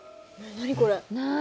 何これ？